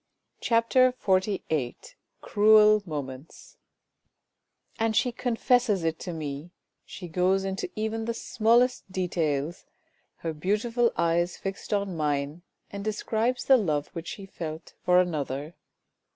" CHAPTER XLVIII CRUEL MOMENTS And she confesses it to me ! She goes into even the smallest details ! Her beautiful eyes fixed on mine, and describes the love which she felt for another.